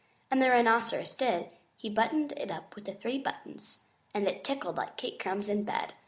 And the Rhinoceros did. He buttoned it up with the three buttons, and it tickled like cake crumbs in bed.